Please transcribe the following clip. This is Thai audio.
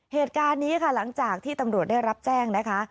เหตุการณ์นี้ค่ะหลังจากที่ตำรวจได้รับแจ้งนะคะ